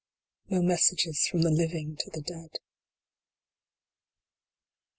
No messages from the living to the dead.